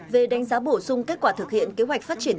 về đánh giá bổ sung kết quả thực hiện kế hoạch phát triển